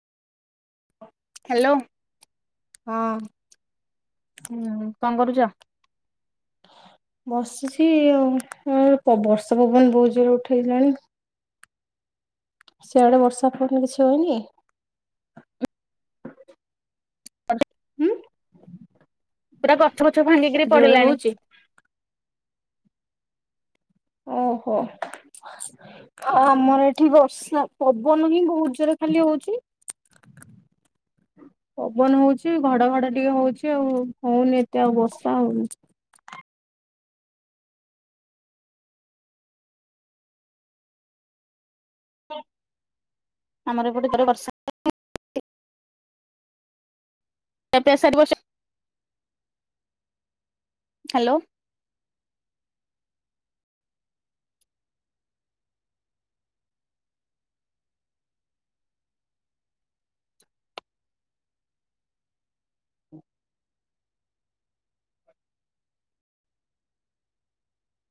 Hello. ହଁ। ହୁଁ କଣ କରୁଚ? ବସିଛି ଆଉ ଏ ପ ବର୍ଷା ପବନ୍ ବୋହୁଜୋରେ ଉଠେଇଲାଣି। ସେଆଡେ ବର୍ଷା ପବନ କିଛି ହୋଉନି? କଣ ଟେ? ହୁଁ? ପୁରା ଗଛ ପଛ ଭାଙ୍ଗିକି ଜୋରେ ପଡିଲାଣି। ହଉଛି? ଓହୋ। ଆ ଆମର ଏଠି ବର୍ଷା ପବନ ହିଁ ବହୁତ ଜୋରେ ଖାଲି ହଉଚି [unintelligible] ହଁ। [inaudible] ପବନ ହଉଚି ଘଡଘଡ ଟିକେ ହଉଚି ଆଉ ହଉନି ଏତେ ଆଉ ବର୍ଷା ହଉନି। ଆମର ଏପଟେ [inaudible] ର ବର୍ଷା ଖିଆ ପିଆ [inaudible] ସେପ୍ ହ୍ୟାଲୋ।